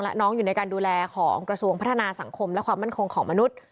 และน้องอยู่ในการดูแลของกระทรวงพัฒนาสังคมและความมั่นคงของมนุษย์